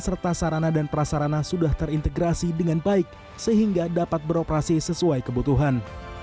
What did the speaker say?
serta sarana dan prasarana sudah terintegrasi dengan baik sehingga dapat beroperasi sesuai kebutuhan